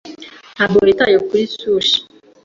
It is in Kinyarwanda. Ntabwo yitaye kuri sushi.